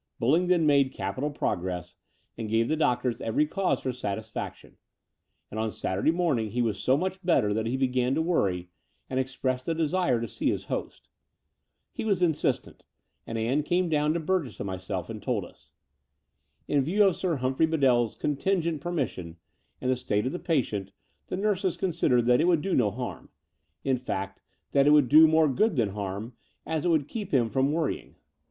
Bullingdon made capital progress and gave the doctors every cause for satisfaction; and on Saturday morning he was so much better that he began to worry, and expressed a desire to see his host. He was insistent; and Ann came down to Burgess and myself and told us. In view of Sir Humphrey Bedeirs contingent permission and the state of the patient, the nurses considered that it would do no harm — in fact, that it would do more good than harm, as it would keep him from worrying.